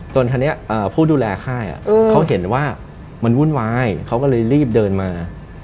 คราวนี้ผู้ดูแลค่ายเขาเห็นว่ามันวุ่นวายเขาก็เลยรีบเดินมา